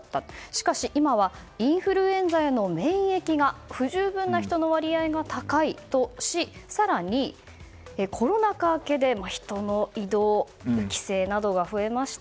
しかし、今はインフルエンザへの免疫が不十分な人の割合が高いとし、更にコロナ禍明けで人の移動、帰省が増えました。